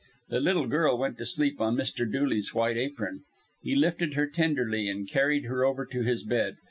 The little girl went to sleep on Mr. Dooley's white apron. He lifted her tenderly, and carried her over to his bed.